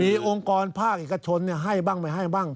มีองค์กรภาคเอกชนให้บ้างไม่ให้บ้าง